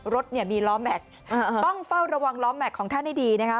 รถเนี่ยมีล้อแม็กซ์ต้องเฝ้าระวังล้อแม็กซ์ให้ดีนะคะ